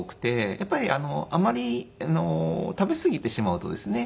やっぱりあまり食べ過ぎてしまうとですね